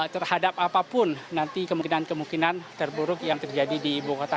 terhadap apapun nanti kemungkinan kemungkinan terburuk yang terjadi di ibu kota